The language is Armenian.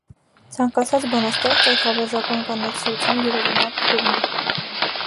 Ցանկացած բանաստեղծ այդ հավերժական կանացիության յուրօրինակ քուրմ է։